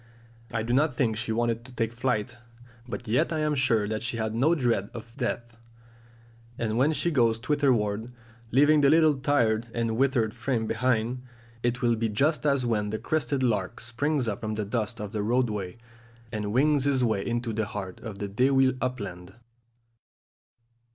I do not think she wanted to take flight, but yet I am sure she had no dread of death; and when she goes thitherward, leaving the little tired and withered frame behind, it will be just as when the crested lark springs up from the dust of the roadway, and wings his way into the heart of the dewy upland.